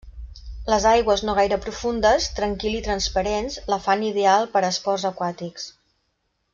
Les aigües no gaire profundes, tranquil i transparents la fan ideal per a esports aquàtics.